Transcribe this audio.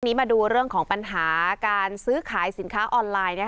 มาดูเรื่องของปัญหาการซื้อขายสินค้าออนไลน์